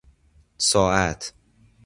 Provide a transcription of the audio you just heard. ساعت